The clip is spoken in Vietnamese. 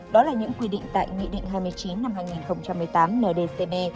đó là những quy định tại nghị định hai mươi chín năm hai nghìn một mươi tám ndcp